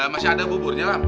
masih ada buburnya lam